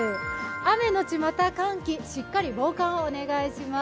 雨のちまた寒気、しっかり防寒をお願いします。